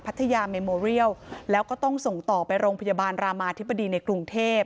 ทยาเมโมเรียลแล้วก็ต้องส่งต่อไปโรงพยาบาลรามาธิบดีในกรุงเทพ